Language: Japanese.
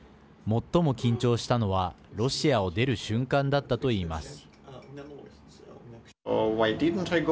最も緊張したのはロシアを出る瞬間だったと言います。